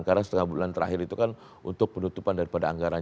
karena setengah bulan terakhir itu kan untuk penutupan daripada anggaran